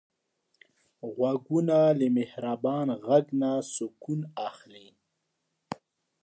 غوږونه له مهربان غږ نه سکون اخلي